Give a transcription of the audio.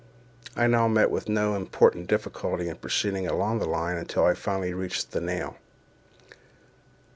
I now met with no important difficulty in proceeding along the line until I finally reached the nail.